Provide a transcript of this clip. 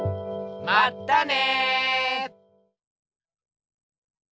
まったね！